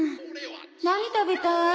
何食べたい？